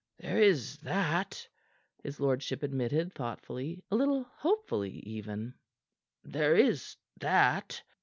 "There is that," his lordship admitted thoughtfully, a little hopefully, even; "there is that."